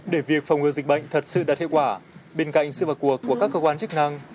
để việc phòng ngừa dịch bệnh thật sự đạt hiệu quả bên cạnh sự vào cuộc của các cơ quan chức năng